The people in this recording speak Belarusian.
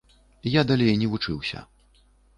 Я далей не вучыўся.